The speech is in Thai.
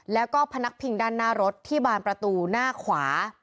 แล้วก็พนักพิงด้านหน้ารถที่บานประตูหน้าขวา